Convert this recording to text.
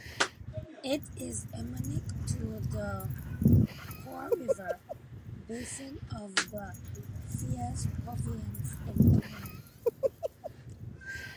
It is endemic to the Kor River basin of the Fars Province in Iran.